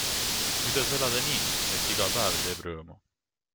Kuidas elada nii, et iga päev teeb rõõmu?